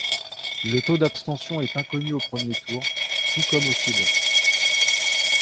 Le taux d'abstention est inconnu au premier tour, tout comme au second.